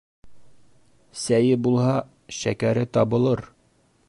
Сәйе булһа, шәкәре табылыр.